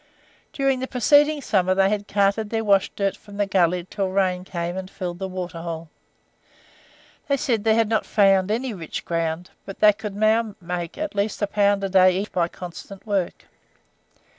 During the preceding summer they had carted their wash dirt from the gully until rain came and filled the waterhole. They said they had not found any rich ground, but they could now make at least a pound a day each by constant work.